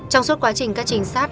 trong suốt quá trình các trinh sát